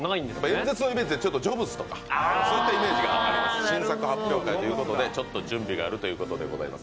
演説のイメージってジョブズとかそういったイメージがありまして新作発表会ということで準備があるということでございます。